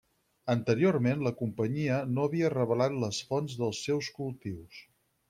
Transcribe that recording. Anteriorment, la companyia no havia revelat les fonts dels seus cultius.